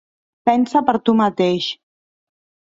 Pensa per tu mateix.